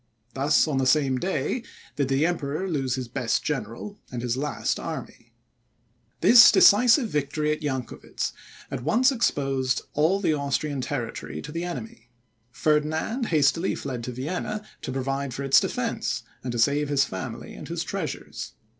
Thus, on the same day, did the Emperor lose his best general and his last army. This decisive victory at Jancowitz, at once exposed all the Austrian territory to the enemy. Ferdinand hastily fled to Vienna, to provide for its defence, and to save his family and his treasures.